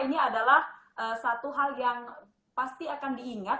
ini adalah satu hal yang pasti akan diingat